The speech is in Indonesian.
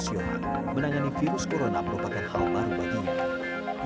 penelitiannya mengenai virus corona merupakan hal baru bagi dia